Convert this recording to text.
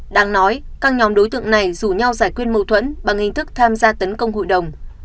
đáng nói các nhóm đối tượng này rủ nhau giải quyết mâu thuẫn bằng hình thức tham gia tấn công hội đồng